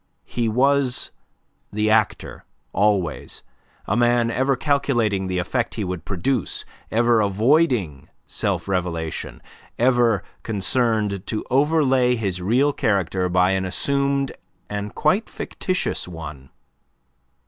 He was the actor always, a man ever calculating the effect he would produce, ever avoiding self revelation, ever concerned to overlay his real character by an assumed and quite fictitious one.